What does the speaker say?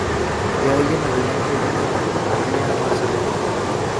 De ahí en adelante ya no habría más alegrías.